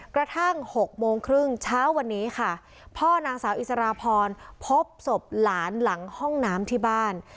กระทั่ง๖โมงครึ่งเช้าวันนี้ค่ะพ่อนางสาวอิสราพรพบศพหลานหลังห้องน้ำที่บ้าน